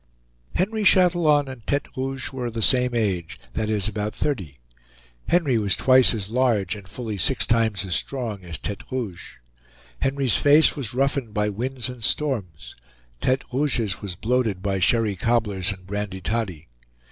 Henry Chatillon and Tete Rouge were of the same age; that is, about thirty. Henry was twice as large, and fully six times as strong as Tete Rouge. Henry's face was roughened by winds and storms; Tete Rouge's was bloated by sherry cobblers and brandy toddy.